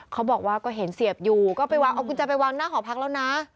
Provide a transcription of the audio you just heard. เขาบอกว่าก็เห็นเสียบอยู่ก็ไปวางเอากุญแจไปวางหน้าหอพักแล้วนะ